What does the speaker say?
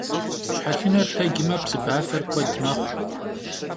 Şhexıner tecme, psıbafer kued mexhu.